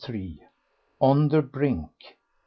— ON THE BRINK 1.